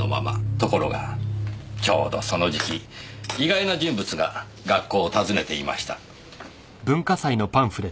ところがちょうどその時期意外な人物が学校を訪ねていました。